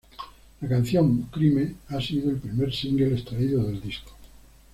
La canción "Crime" ha sido el primer single extraído del disco.